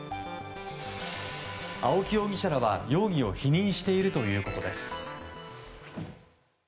青木容疑者らは、容疑を否認しているということです。